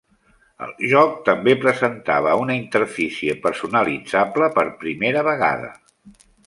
El joc també presentava una interfície personalitzable per primera vegada.